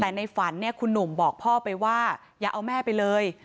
แต่ในฝันเนี่ยคุณหนุ่มบอกพ่อไปว่าอย่าเอาแม่ไปเลย